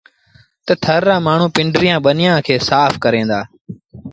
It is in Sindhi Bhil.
تا ٿر رآ مآڻهوٚٚݩ پنڊريٚآݩ ٻنيٚآݩ کي سآڦ ڪريݩ دآ۔